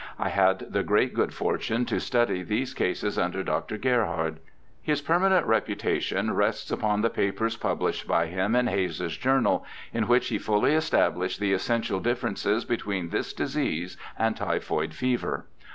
I had the great good fortune to study these cases under Dr. Gerhard. His permanent reputation rests upon the papers published by him in Hays's Journal, in which he fully established the essential differences between this disease and ty phoid fever.